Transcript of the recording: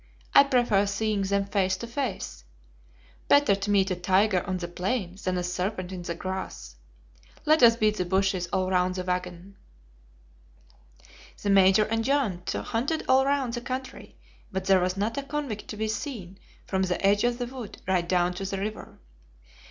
I prefer seeing them face to face. Better to meet a tiger on the plain than a serpent in the grass. Let us beat the bushes all round the wagon." The Major and John hunted all round the country, but there was not a convict to be seen from the edge of the wood right down to the river.